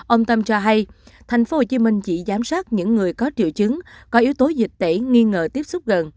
ông tâm cho hay thành phố hồ chí minh chỉ giám sát những người có triệu chứng có yếu tố dịch tễ nghi ngờ tiếp xúc gần